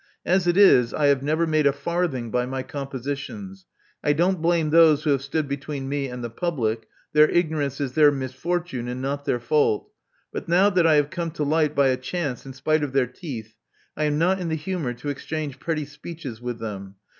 As it is, I have never made a farthing by my compositions. I don't blame those who have stood between me and the public: their ignorance is their misfortune, and not their ftwilt. But now that I have come to light by a chance in spite of their teeth, I am not in the humor to exchange pretty speeches with them.